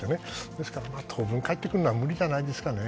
ですから当分帰ってくるのは無理じゃないですかね。